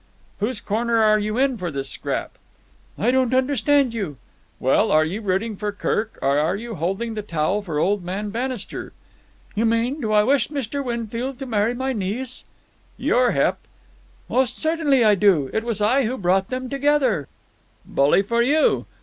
"Whose corner are you in for this scrap?" "I don't understand you." "Well, are you rooting for Kirk, or are you holding the towel for old man Bannister?" "You mean, do I wish Mr. Winfield to marry my niece?" "You're hep." "Most certainly I do. It was I who brought them together." "Bully for you!